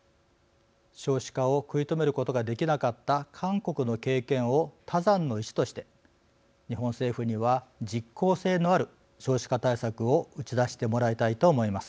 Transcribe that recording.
少子化を食い止めることができなかった韓国の経験を他山の石として日本政府には実効性のある少子化対策を打ち出してもらいたいと思います。